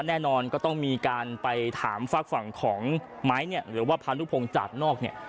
แน่นอนก็ต้องมีการไปถามฝากฝั่งของไม้เนี่ยหรือว่าพานุพงศ์จากนอกเนี่ย